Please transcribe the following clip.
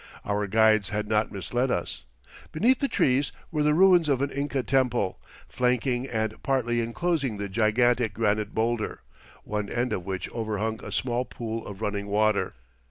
Our guides had not misled us. Beneath the trees were the ruins of an Inca temple, flanking and partly enclosing the gigantic granite boulder, one end of which overhung a small pool of running water.